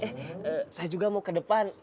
eh saya juga mau ke depan